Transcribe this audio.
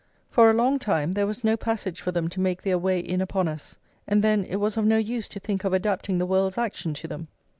For a long time there was no passage for them to make their way in upon us, and then it was of no use to think of adapting the world's action to them.